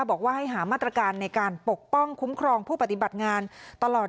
บอกว่าให้หามาตรการในการปกป้องคุ้มครองผู้ปฏิบัติงานตลอด